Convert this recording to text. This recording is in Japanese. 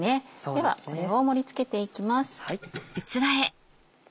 ではこれを盛り付けていきます。